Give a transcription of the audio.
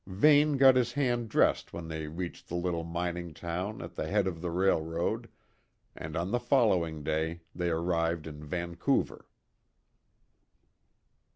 Vane got his hand dressed when they reached the little mining town at the head of the railroad, and on the following day they arrived in Vancouver.